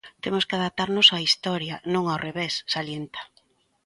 Temos que adaptarnos á historia, non ao revés, salienta.